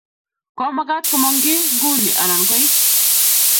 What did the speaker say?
Komakat ko mong kii nguni anan koi